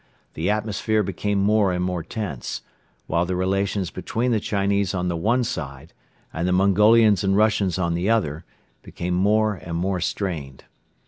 The atmosphere became more and more tense, while the relations between the Chinese on the one side and the Mongolians and Russians on the other became more and more strained.